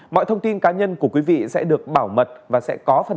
mọi thông tin cá nhân của quý vị sẽ được bảo mật